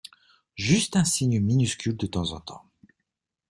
Juste un signe minuscule de temps en temps.